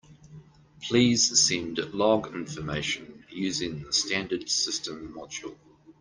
Please send log information using the standard system module.